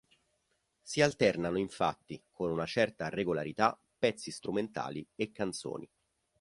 Si alternano infatti, con una certa regolarità, pezzi strumentali e canzoni.